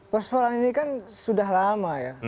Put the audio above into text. persoalan ini kan sudah lama ya